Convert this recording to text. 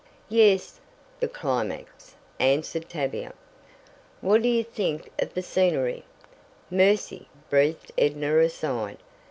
"Yes, the climax," answered Tavia. "What do you think of the scenery?" "Mercy!" breathed Edna aside.